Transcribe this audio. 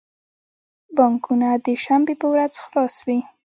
بانکونه د شنبی په ورځ خلاص وی